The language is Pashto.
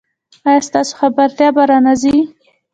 ایا ستاسو خبرتیا به را نه ځي؟